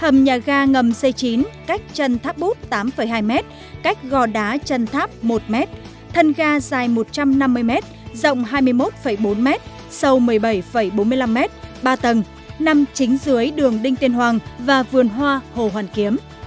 hầm nhà ga ngầm c chín cách chân tháp bút tám hai m cách gò đá chân tháp một m thân ga dài một trăm năm mươi m rộng hai mươi một bốn m sâu một mươi bảy bốn mươi năm m ba tầng nằm chính dưới đường đinh tiên hoàng và vườn hoa hồ hoàn kiếm